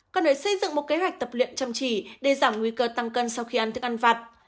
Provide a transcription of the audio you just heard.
cần phải xây dựng một kế hoạch tập luyện chăm chỉ để giảm nguy cơ tăng cân sau khi ăn thức ăn vặt